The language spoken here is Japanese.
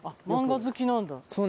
漫画好きなんだ。